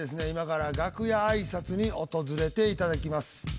今から楽屋挨拶に訪れていただきます。